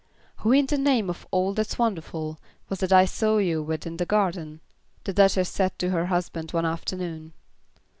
"Who, in the name of all that's wonderful, was that I saw you with in the garden?" the Duchess said to her husband one afternoon.